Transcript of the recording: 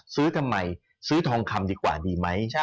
ซื้อทำไมซื้อทองคำดีกว่าดีไหม